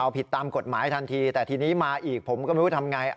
เอาผิดตามกฎหมายทันทีแต่ทีนี้มาอีกผมก็ไม่รู้ทำไง